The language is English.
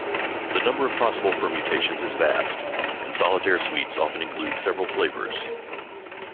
The number of possible permutations is vast, and solitaire suites often include several flavours.